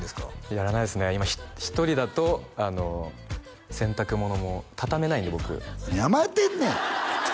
やらないですね１人だと洗濯物も畳めないんで僕何甘えてんねん！